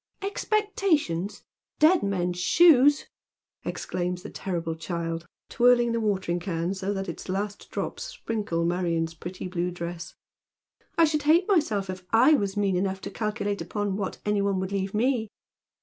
" Expectations, — dead men's shoes 1 " exclaims the terrible child, twirling the watering can so that its last drops sprinkle Marion's pretty blue dress. " I should hate myself if / was mean enough to calculate upon what any one would leave me."